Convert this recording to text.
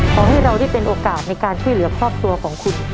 ขอให้เราได้เป็นโอกาสในการช่วยเหลือครอบครัวของคุณ